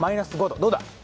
どうだ！？